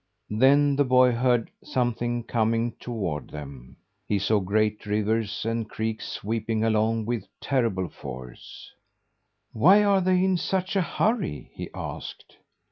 Then the boy heard something coming toward them. He saw great rivers and creeks sweeping along with terrible force. "Why are they in such a hurry?" he asked.